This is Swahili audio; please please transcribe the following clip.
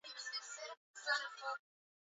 Hakuna usawa kati ya wanawake na wanaume